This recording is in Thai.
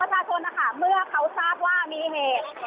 ประชาชนนะคะเมื่อเขาทราบว่ามีเหตุ